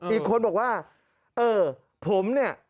อีกคนบอกว่าเออผมเนี่ย